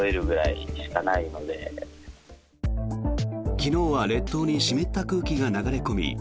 昨日は列島に湿った空気が流れ込み